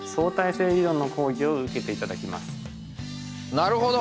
なるほど。